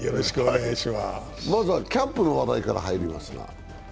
まずはキャンプの話題から入ります。